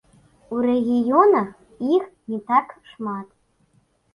У рэгіёнах іх не так шмат.